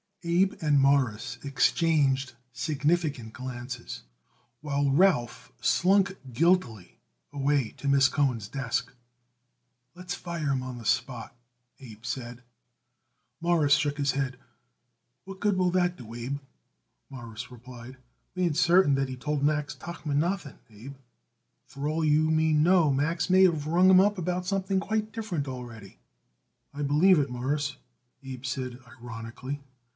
Abe and Morris exchanged significant glances, while Ralph slunk guiltily away to Miss Cohen's desk. "Let's fire him on the spot," Abe said. Morris shook his head. "What good will that do, Abe?" Morris replied. "We ain't certain that he told Max Tuchman nothing, Abe. For all you and me know, Max may of rung him up about something quite different already." "I believe it, Mawruss," Abe said ironically.